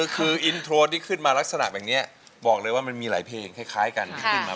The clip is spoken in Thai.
คืออินโทรที่ขึ้นมาลักษณะแบบนี้บอกเลยว่ามันมีหลายเพลงคล้ายกันที่ขึ้นมา